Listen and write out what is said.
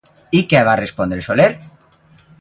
I què va respondre Soler?